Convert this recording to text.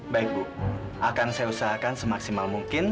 baik bu akan saya usahakan semaksimal mungkin